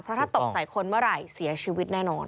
ถ้าตบใส่คนเมื่อไหร่เสียชีวิตแน่นอน